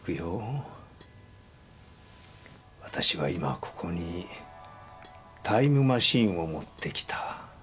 わたしは今ここにタイムマシンを持ってきた。